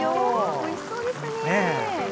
おいしそうですね。